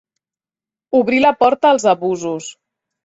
Obrir la porta als abusos.